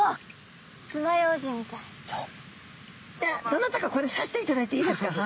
どなたかこれ刺していただいていいですか？